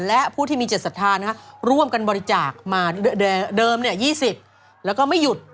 และผู้ที่มีจิตศรัทธาร่วมกันบริจาคมาเดิม๒๐แล้วก็ไม่หยุด